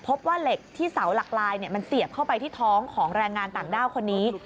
พบว่าเหล็กที่เสาหลักลายมันเสียบเข้าไปที่ท้องของแรงงานต่างด้าวคนนี้